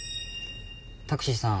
タクシーさん